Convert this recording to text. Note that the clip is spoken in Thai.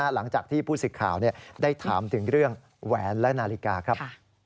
หลังจากที่ผู้สิทธิ์ข่าวได้ถามถึงเรื่องแหวนและนาฬิกาครับ